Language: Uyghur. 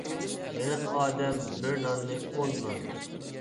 ھېلىقى ئادەم بىر ناننى ئون نان.